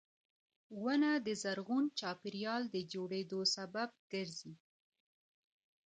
• ونه د زرغون چاپېریال د جوړېدو سبب ګرځي.